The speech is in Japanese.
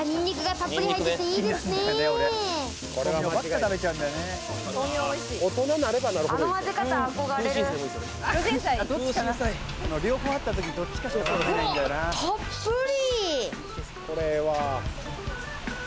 たっぷり。